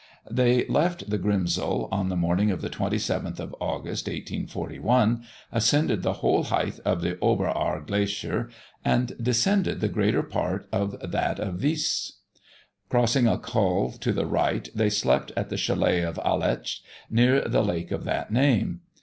They left the Grimsel on the morning of the 27th of August, 1841, ascended the whole height of the Ober Aar Glacier, and descended the greater part of that of Viesch. Crossing a col to the right, they slept at the chalet of Aletsch, near the lake of that name.